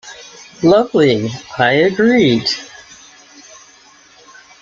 "Lovely," I agreed.